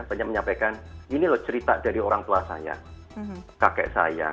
banyak menyampaikan ini loh cerita dari orang tua saya kakek saya